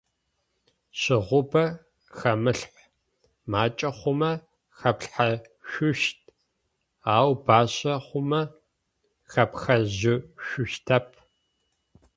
Щыгъубэ хэмылъхь. Макӏэ хъумэ хъэплъхьэшъущт, ау бащэ хъумэ хэпхыжьышъущтэп.